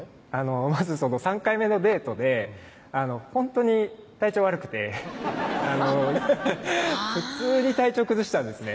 まず３回目のデートでほんとに体調悪くて普通に体調崩したんですね